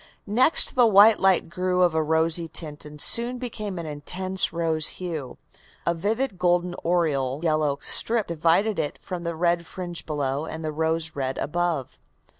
Next the white light grew of a rosy tint, and soon became an intense rose hue. A vivid golden oriole yellow strip divided it from the red fringe below and the rose red above."